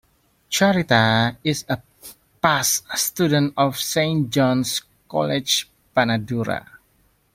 Charitha is a past student of Saint John's College Panadura.